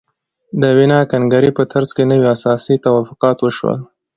د ویانا کنګرې په ترڅ کې نوي سیاسي توافقات وشول.